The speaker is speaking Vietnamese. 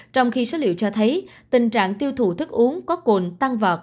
trong khi số liệu cho thấy tình trạng tiêu thụ thức uống có cồn tăng vọt